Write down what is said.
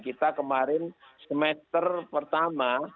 kita kemarin semester pertama